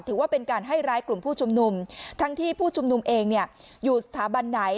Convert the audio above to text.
ถือว่าเป็นการให้ร้ายกลุ่มผู้ชุมนุมทั้งที่ผู้ชุมนุมเองเนี่ยอยู่สถาบันไหน